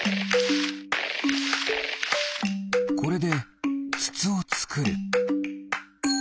これでつつをつくる。